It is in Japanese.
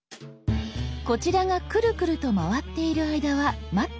こちらがクルクルと回っている間は待っていましょう。